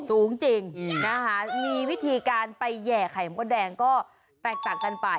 สูงจริงนะคะมีวิธีการไปแห่ไข่มดแดงก็แตกต่างกันไป